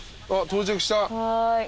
あっ到着した。